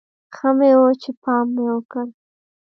ښه مې و چې پام مې وکړ.